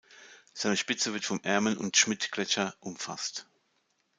Seine Spitze wird vom Erman- und Schmidt-Gletscher umfasst.